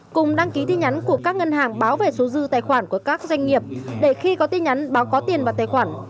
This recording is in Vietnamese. cùng đăng ký tin nhắn của các ngân hàng báo về số dư tài khoản của các doanh nghiệp để khi có tin nhắn báo cáo tiền vào tài khoản